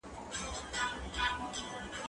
زه به سبا کښېناستل وکړم!.